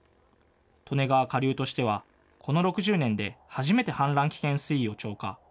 利根川下流としてはこの６０年で初めて氾濫危険水位を超過。